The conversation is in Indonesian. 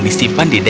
oh itu dia